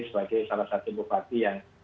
sebagai salah satu bupati yang